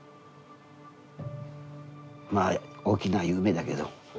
まあ大きな夢だけど。